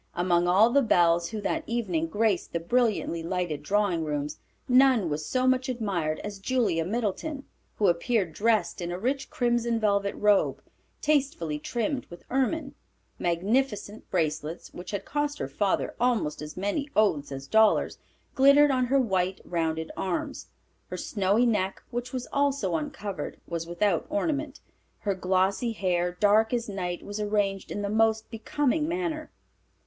Among all the belles who that evening graced the brilliantly lighted drawing rooms, none was so much admired as Julia Middleton, who appeared dressed in a rich crimson velvet robe, tastefully trimmed with ermine. Magnificent bracelets, which had cost her father almost as many oaths as dollars, glittered on her white, rounded arms. Her snowy neck, which was also uncovered, was without ornament. Her glossy hair, dark as night, was arranged in the most becoming manner.